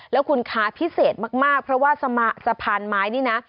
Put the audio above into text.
แล้วคุณคะพิเศษมากเพราะว่าสะพานไม้นี่นะ